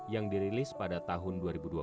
yang dirilis pada tahun dua ribu dua puluh